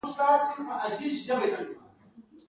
د اوبو پلورل سوداګري شوې؟